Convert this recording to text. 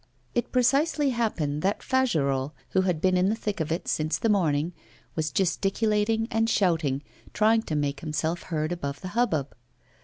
It precisely happened that Fagerolles, who had been in the thick of it since the morning, was gesticulating and shouting, trying to make himself heard above the hubbub.